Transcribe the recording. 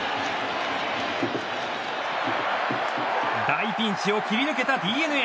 大ピンチを切り抜けたＤｅＮＡ。